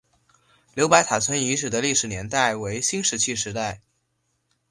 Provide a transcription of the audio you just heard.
刘白塔村遗址的历史年代为新石器时代。